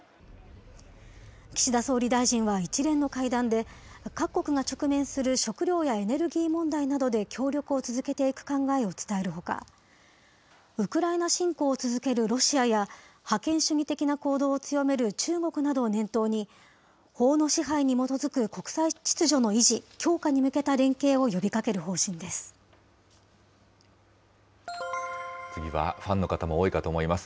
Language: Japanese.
岸田総理大臣は一連の会談で、各国が直面する食料やエネルギー問題などで協力を続けていく考えを伝えるほか、ウクライナ侵攻を続けるロシアや、覇権主義的な行動を強める中国などを念頭に、法の支配に基づく国際秩序の維持・強化に向けた連携を呼びかける次は、ファンの方も多いかと思います。